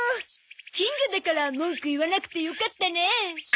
金魚だから文句言わなくてよかったね。